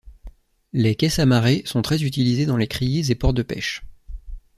Les caisses à marée sont très utilisées dans les criées et ports de pêche.